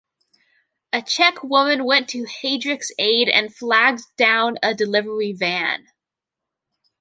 A Czech woman went to Heydrich's aid and flagged down a delivery van.